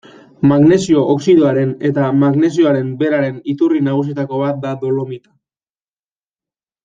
Magnesio oxidoaren eta magnesioaren beraren iturri nagusietako bat da dolomita.